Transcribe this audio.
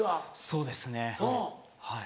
そうですねはい。